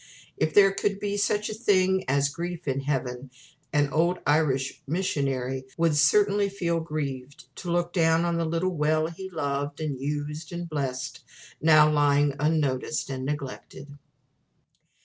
If there could be such a thing as grief in heaven, an old Irish missionary would certainly feel grieved to look down on the little well he loved, and used, and blessed, now lying unnoticed and neglected.